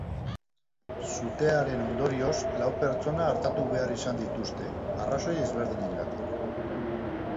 Sutearen ondorioz lau pertsona artatu behar izan dituzte, arrazoi ezberdinengatik.